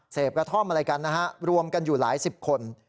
กระท่อมอะไรกันนะฮะรวมกันอยู่หลายสิบคน